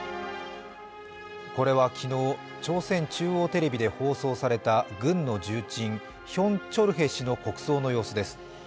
これは昨日、朝鮮中央テレビで放送された軍の重鎮、ヒョン・チョルヘ氏の国葬の様子です。